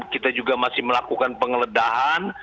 kita juga masih melakukan penggeledahan